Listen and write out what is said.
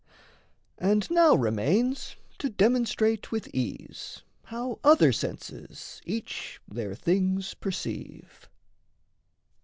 And now remains to demonstrate with ease How other senses each their things perceive.